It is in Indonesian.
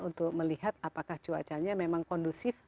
untuk melihat apakah cuacanya memang kondusif